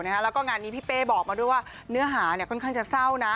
แล้วก็งานนี้พี่เป้บอกมาด้วยว่าเนื้อหาค่อนข้างจะเศร้านะ